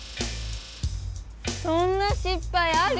そんなしっぱいある？